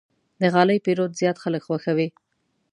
د غالۍ پېرود زیات خلک خوښوي.